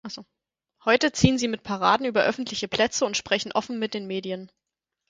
Heute ziehen sie mit Paraden über öffentliche Plätze und sprechen offen mit den Medien.